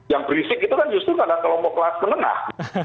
yang berisik itu kan justru karena kelompok kelas menengah